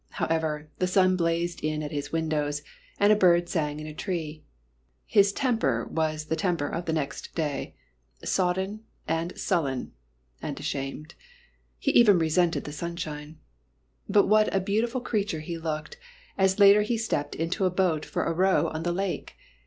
However, the sun blazed in at his windows, and a bird sang in a tree. His temper was the temper of next day sodden, and sullen, and ashamed. He even resented the sunshine. But what a beautiful creature he looked, as later he stepped into a boat for a row on the lake!